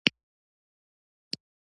اسونه هم روم ته تللي وو، نور اس لوبې نه وې.